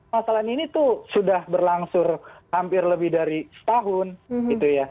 masalah ini tuh sudah berlangsung hampir lebih dari setahun gitu ya